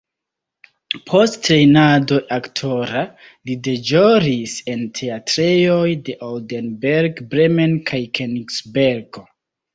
Post trejnado aktora li deĵoris en teatrejoj de Oldenburg, Bremen kaj Kenigsbergo.